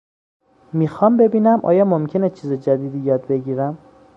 میخوام ببینم آیا ممکنه چیز جدیدی یاد بگیرم؟